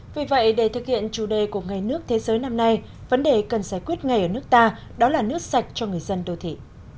vì vậy để thực hiện chủ đề của ngày nước thế giới năm nay vấn đề cần giải quyết ngay ở nước ta đó là nước sạch cho người dân đô thị